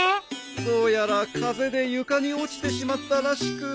どうやら風で床に落ちてしまったらしく。